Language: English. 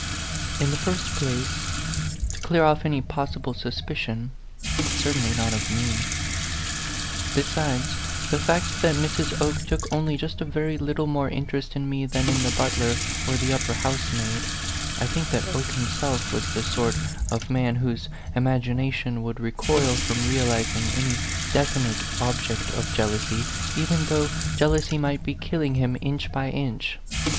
In the first place to clear off any possible suspicion certainly not of me. Besides the fact that Mrs. Oke took only just a very little more interest in me than in the butler or the upper housemaid, I think that Oke himself was the sort of man whose imagination would recoil from realizing any definite object of jealousy, even though jealousy might be killing him inch by inch.